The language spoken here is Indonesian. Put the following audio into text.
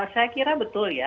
saya kira betul ya